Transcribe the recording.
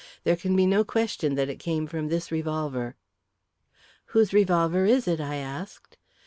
There can be no question that it came from this revolver." "Whose revolver is it?" I asked.